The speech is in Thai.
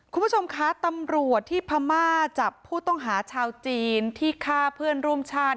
คุณผู้ชมคะตำรวจที่พม่าจับผู้ต้องหาชาวจีนที่ฆ่าเพื่อนร่วมชาติ